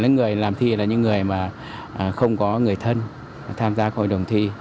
người làm thi là những người mà không có người thân tham gia hội đồng thi